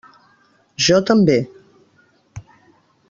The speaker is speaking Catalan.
Jo també.